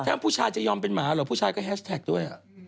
ถ้าผู้ชายจะยอมเป็นหมาเหรอผู้ชายก็แฮชแท็กด้วย